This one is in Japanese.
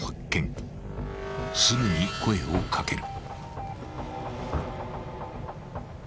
［すぐに声を掛ける］